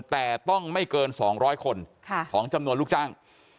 แต่ต้องไม่เกิน๒๐๐คนของจำนวนลูกจ้าง